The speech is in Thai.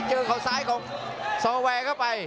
เขาซ้ายของซอแวร์เข้าไป